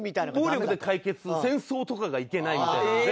暴力で解決戦争とかがいけないみたいなので。